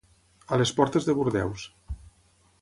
A les portes de Bordeus.